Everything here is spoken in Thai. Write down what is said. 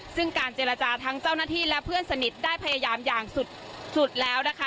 ซึ่งการเจรจาทั้งเจ้าหน้าที่และเพื่อนสนิทได้พยายามอย่างสุดแล้วนะคะ